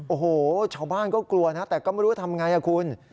โอ้โหชาวบ้านก็กลัวนะแต่ก็ไม่รู้ทำไงคุณ